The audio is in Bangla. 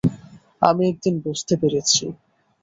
আমি একদিন বুঝতে পেরেছি।